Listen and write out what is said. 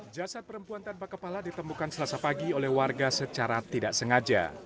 jasad perempuan tanpa kepala ditemukan selasa pagi oleh warga secara tidak sengaja